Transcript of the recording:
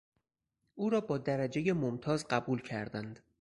او را با درجهی ممتاز قبول کردند.